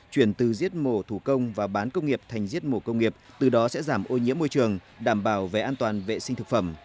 chuyển từ giết mổ thủ công và bán công nghiệp thành giết mổ công nghiệp từ đó sẽ giảm ô nhiễm môi trường đảm bảo về an toàn vệ sinh thực phẩm